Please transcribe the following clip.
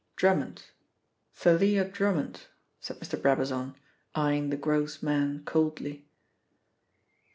"Drummond Thalia Drummond," said Mr. Brabazon, eyeing the gross man coldly.